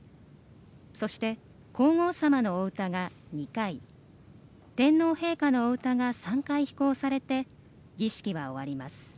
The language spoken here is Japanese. そして皇后さまのお歌が２回天皇陛下のお歌が３回披講されて儀式は終わります。